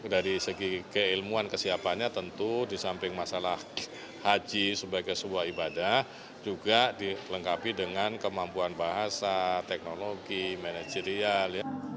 dari segi keilmuan kesiapannya tentu di samping masalah haji sebagai sebuah ibadah juga dilengkapi dengan kemampuan bahasa teknologi manajerial